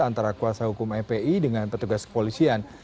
antara kuasa hukum fpi dengan petugas kepolisian